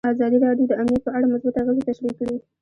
ازادي راډیو د امنیت په اړه مثبت اغېزې تشریح کړي.